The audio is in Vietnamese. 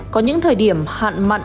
có những thời điểm hạn mặn